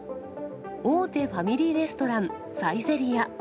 大手ファミリーレストラン、サイゼリヤ。